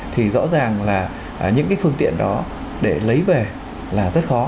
thì rõ ràng là những cái phương tiện đó để lấy về là rất khó